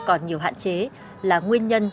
còn nhiều hạn chế là nguyên nhân